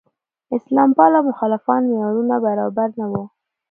اسلام پاله مخالفان معیارونو برابر نه وو.